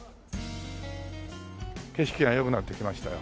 景色が良くなってきましたよ。